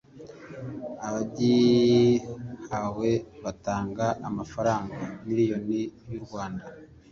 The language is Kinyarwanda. abagihawe batanga amafranga miliyoni y u rwanda